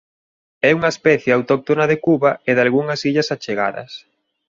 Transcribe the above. É unha especie autóctona de Cuba e dalgunhas illas achegadas.